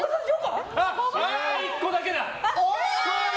１個だけだ！